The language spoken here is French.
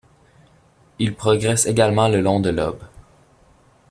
Il progresse également le long de l'Ob.